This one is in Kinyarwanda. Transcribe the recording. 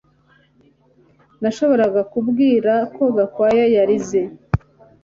Nashoboraga kubwira ko Gakwaya yarize